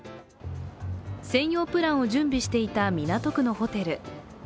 専用プランを準備していた港区のホテル。